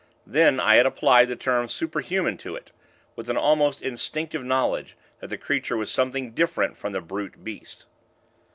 Then I had applied the term superhuman to it, with an almost instinctive knowledge that the creature was something different from the brute beast.